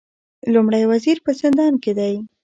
لومړی وزیر په زندان کې دی